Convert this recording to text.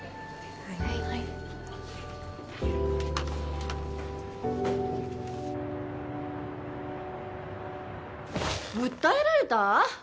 はい訴えられた？